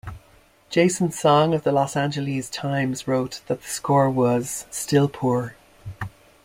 Jason Song of the "Los Angeles Times" wrote that the score was "still poor".